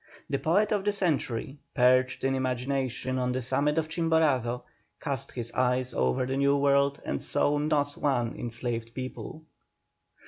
The poet of the century, perched in imagination on the summit of Chimborazo, cast his eyes over the New World and saw not one enslaved people.